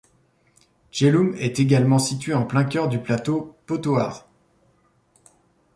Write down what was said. Jhelum est également situé en plein cœur du plateau Pothohar.